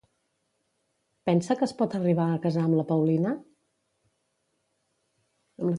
Pensa que es pot arribar a casar amb la Paulina?